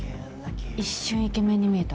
一瞬イケメンに見えた。